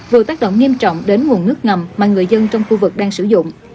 vừa tác động nghiêm trọng đến nguồn nước ngầm mà người dân trong khu vực đang sử dụng